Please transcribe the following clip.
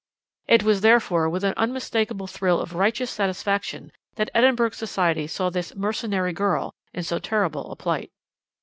"It was, therefore, with an unmistakable thrill of righteous satisfaction that Edinburgh society saw this 'mercenary girl' in so terrible a plight.